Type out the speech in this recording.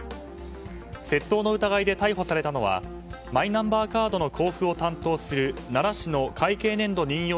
窃盗の疑いで逮捕されたのはマイナンバーカードの交付を担当する奈良市の会計年度任用